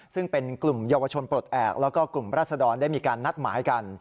ซึ่งเป็นกลุ่มเยาวชนปลดแอบแล้วก็กลุ่มราศดรได้มีการนัดหมายกัน